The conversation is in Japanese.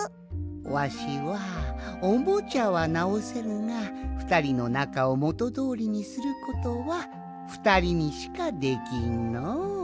わしはおもちゃはなおせるがふたりのなかをもとどおりにすることはふたりにしかできんのう。